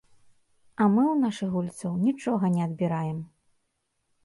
А мы ў нашых гульцоў нічога не адбіраем.